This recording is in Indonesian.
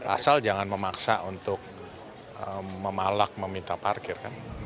asal jangan memaksa untuk memalak meminta parkir kan